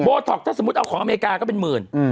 ท็อกถ้าสมมุติเอาของอเมริกาก็เป็นหมื่น